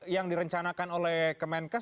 yang direncanakan oleh kemenkes